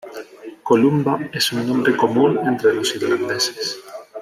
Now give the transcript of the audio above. Columba es un nombre común entre los irlandeses.